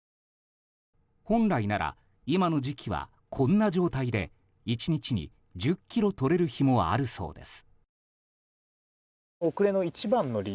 本来なら今の時期はこんな状態で１日に１０ｋｇ採れる日もあるそうです。